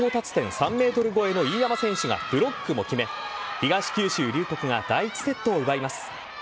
３ｍ超えの飯山選手がブロックも決め東九州龍谷が第１セットを奪います。